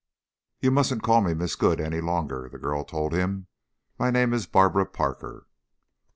"You mustn't call me Miss Good any longer," the girl told him. "My name is Barbara Parker."